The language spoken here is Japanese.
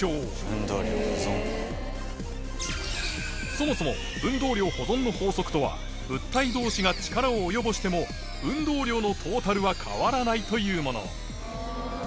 そもそも運動量保存の法則とは物体同士が力を及ぼしても運動量のトータルは変わらないというもの